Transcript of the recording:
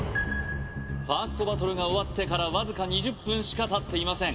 ファーストバトルが終わってからわずか２０分しかたっていません